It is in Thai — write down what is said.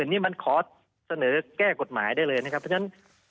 นี่มันขอเสนอแก้กฎหมายได้เลยนะครับเพราะฉะนั้น